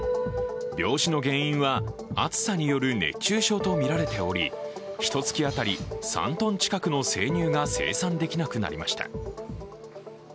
病死の原因は暑さによる熱中症とみられておりひとつき当たり、３ｔ近くの生乳が生産できなくなりました。